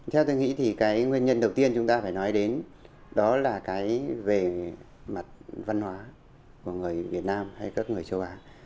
theo tôi nghĩ thì cái nguyên nhân đầu tiên chúng ta phải nói đến đó là cái về mặt văn hóa của người việt nam hay các người châu á